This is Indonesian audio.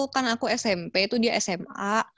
kan aku smp itu dia sma